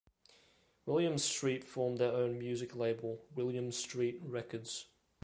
Williams Street formed their own music label, Williams Street Records.